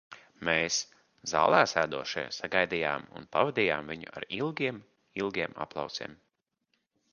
Mēs, zālē sēdošie, sagaidījām un pavadījām viņu ar ilgiem, ilgiem aplausiem.